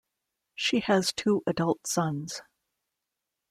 She has two adult sons.